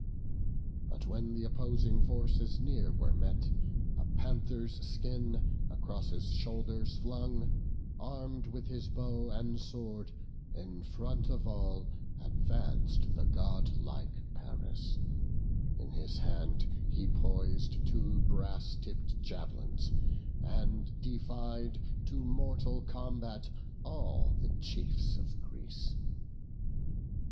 But when th' opposing forces near were met, A panther's skin across his shoulders flung, Arm'd with his bow and sword, in front of all Advanc'd the godlike Paris; in his hand He pois'd two brass tipp'd jav'lins, and defied To mortal combat all the chiefs of Greece.